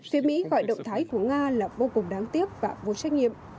phía mỹ gọi động thái của nga là vô cùng đáng tiếc và vô trách nhiệm